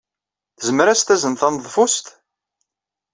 Tezmer ad as-tazen taneḍfust?